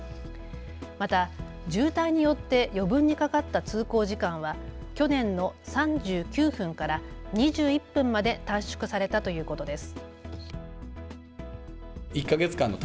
また渋滞によって余分にかかった通行時間は去年の３９分から２１分まで短縮されたということです。